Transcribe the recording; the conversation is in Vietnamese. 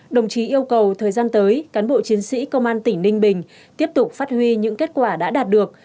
đồng chí yêu cầu thời gian tới cán bộ chiến sĩ công an tỉnh ninh bình tiếp tục phát huy những kết quả đã đạt được